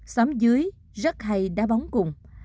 xóm dưới rất hay đá bóng cùng